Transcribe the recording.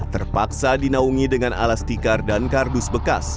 terpaksa dinaungi dengan alas tikar dan kardus bekas